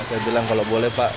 saya bilang kalau boleh pak